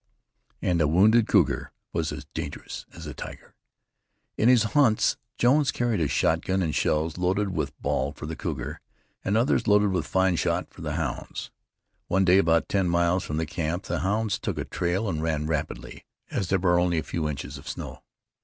And a wounded cougar was as dangerous as a tiger. In his hunts Jones carried a shotgun, and shells loaded with ball for the cougar, and others loaded with fine shot for the hounds. One day, about ten miles from the camp, the hounds took a trail and ran rapidly, as there were only a few inches of snow.